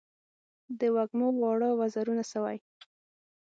د وږمو واړه وزرونه سوی